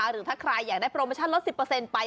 หรือถ้าใครอยากได้โปรเมชันลด๑๐เปอร์เซ็นต์ไป